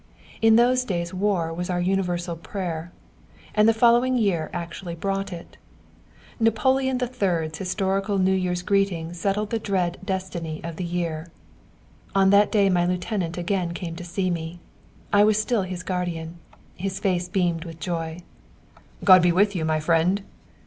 In those days war was our universal prayer. And the following year actually brought it. Napoleon III.'s historical new year's greeting settled the dread destiny of the year. One day my lieutenant again came to see me; I was still his guardian. His face beamed with joy. "God be with you, my friend!"